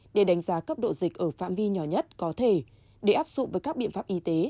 để đánh giá cấp độ dịch ở phạm vi nhỏ nhất có thể để áp dụng với các biện pháp y tế